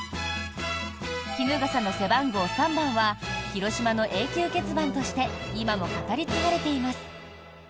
衣笠の背番号３番は広島の永久欠番として今も語り継がれています。